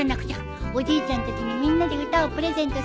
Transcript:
おじいちゃんたちにみんなで歌をプレゼントするんだ。